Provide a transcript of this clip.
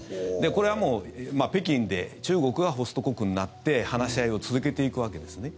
これはもう北京で中国がホスト国になって話し合いを続けていくわけですね。